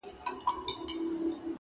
هر څوک ځان په بل حالت کي احساسوي ګډ,